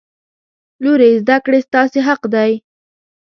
لورې! زده کړې ستاسې حق دی.